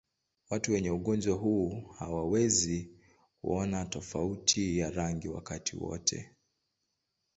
Watu wenye ugonjwa huu hawawezi kuona tofauti ya rangi wakati wote.